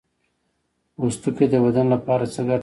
پوستکی د بدن لپاره څه ګټه لري